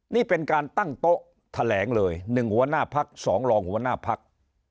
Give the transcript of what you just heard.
นี่เป็นการตั้งโต๊ะแถลงเลย๑หัวหน้าพัก๒รองหัวหน้าพัก